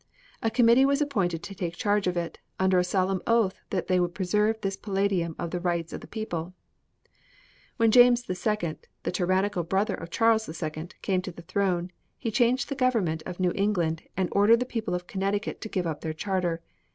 A committee was appointed to take charge of it, under a solemn oath that they would preserve this palladium of the rights of the people. "When James II., the tyrannical brother of Charles II., came to the throne, he changed the government of New England and ordered the people of Connecticut to give up their charter.